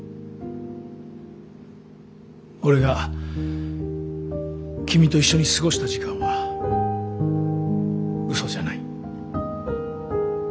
俺が君と一緒に過ごした時間は嘘じゃない。